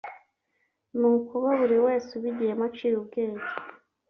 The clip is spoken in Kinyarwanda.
ni ukuba buri wese ubigiyemo aciye ubwenge